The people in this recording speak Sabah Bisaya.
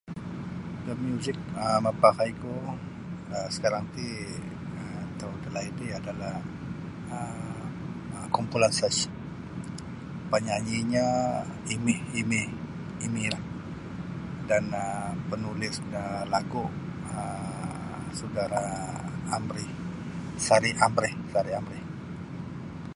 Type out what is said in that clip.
Pamuzik mapakai ku um sakarang ti atau dalaid ri adalah um kumpulan Search panyanyinyo Amy Amy Amy lah dan um panulis da lagu um saudara Amri Sari Amri Sari Amri.